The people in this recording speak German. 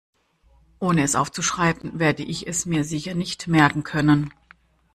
Ohne es aufzuschreiben, werde ich es mir sicher nicht merken können.